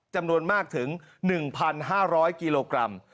จำนวนมากถึงหนึ่งพันห้าร้อยกิโลกรัม